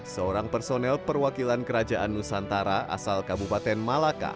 seorang personel perwakilan kerajaan nusantara asal kabupaten malaka